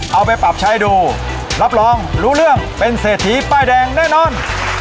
เอาไปปรับใช้ดูรับรองรู้เรื่องเป็นเศรษฐีป้ายแดงแน่นอน